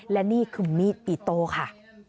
และนี่คือมีดอิโต้ค่ะ